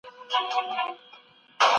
ما مخکي کتابتون ته تللی و.